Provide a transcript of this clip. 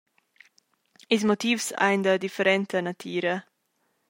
Ils motivs ein da differenta natira.